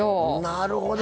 なるほど。